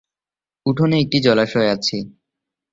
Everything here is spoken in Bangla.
উঠোনে একটি জলাশয় আছে।